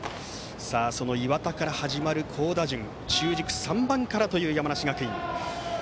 岩田から始まる好打順中軸３番からの山梨学院。